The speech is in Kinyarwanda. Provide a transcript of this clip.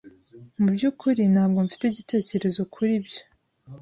Mu byukuri ntabwo mfite igitekerezo kuri byo.